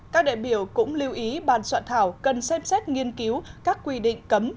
các đại biểu cũng lưu ý ban soạn thảo cần xem xét nghiên cứu các quy định cấm